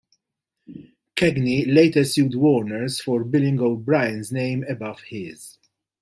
Cagney later sued Warners for billing O'Brien's name above his.